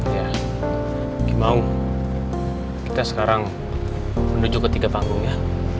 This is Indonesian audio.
iya gimau kita sekarang menuju ke tiga panggung ya